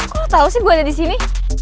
kok lo tau sih gue ada disini